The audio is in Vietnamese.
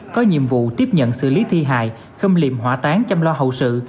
có nhiệm vụ tiếp nhận xử lý thi hại khâm liệm hỏa tán chăm lo hậu sự